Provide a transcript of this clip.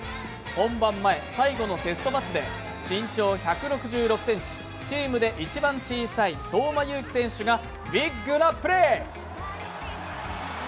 本番前最後のテストマッチで身長１６６ｃｍチームで一番小さい相馬勇紀選手がビッグなプレー。